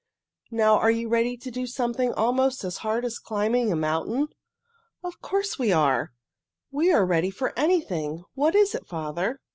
Now are you ready to do something almost as hard as climbing a mountain?" "Of course we are! We are ready for anything. What is it, father?"